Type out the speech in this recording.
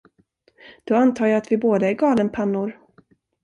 Då antar jag att vi båda är galenpannor.